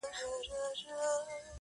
بیا نارې د یا قربان سوې له کیږدیو!!